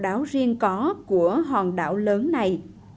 đó là một lý do riêng có của hòn đảo lớn này